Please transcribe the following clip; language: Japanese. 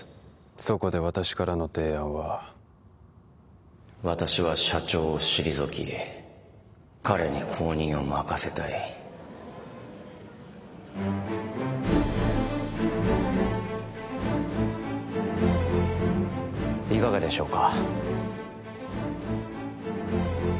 そこで私からの提案は私は社長を退き彼に後任を任せたいいかがでしょうか